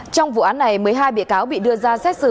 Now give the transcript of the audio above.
trong vụ án này một mươi hai bị cáo bị đưa ra xét xử